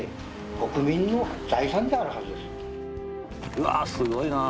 うわあすごいな。